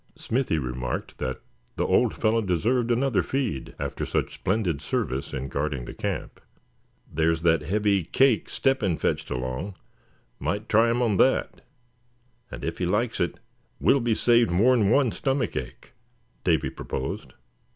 Smithy remarked that the old fellow deserved another feed after such splendid service in guarding the camp. "There's that heavy cake Step hen fetched along; might try him on that; and if he likes it, we'll be saved more'n one stomach ache," Davy proposed.